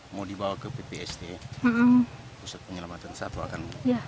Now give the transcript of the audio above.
mau dibawa ke ppst pusat penyelamatan satwa kan